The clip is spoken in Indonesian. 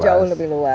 jauh lebih luas